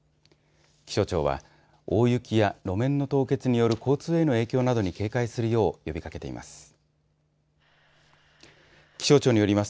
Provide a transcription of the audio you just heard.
気象庁は大雪や路面の凍結による交通への影響などに警戒するよう呼びかけています。